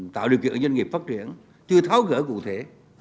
tạo điều kiện doanh nghiệp phát triển chưa tháo gỡ cụ thể